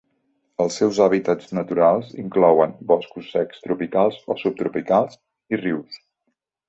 Els seus hàbitats naturals inclouen boscos secs tropicals o subtropicals i rius.